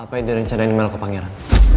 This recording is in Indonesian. apa yang direncanain mel ke pangeran